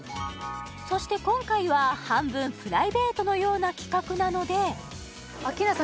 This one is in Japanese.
そして今回は半分プライベートのような企画なのでアッキーナさん